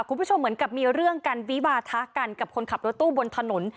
คุณผู้ชมเหมือนกับมีเรื่องกันวิวาทะกันกับคนขับรถตู้บนถนน